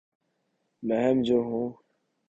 مہم جو ہوں